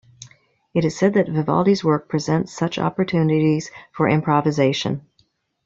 It is said that Vivaldi's work presents such opportunities for improvisation.